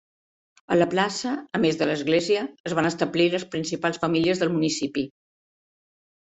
A la plaça, a més de l'Església, es van establir les principals famílies del municipi.